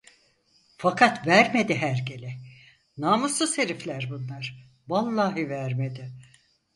Fakat vermedi hergele! Namussuz herifler bunlar! Vallahi vermedi.